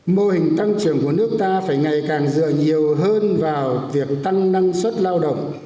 mô hình tăng trưởng của nước ta phải ngày càng dựa nhiều hơn vào việc tăng năng suất lao động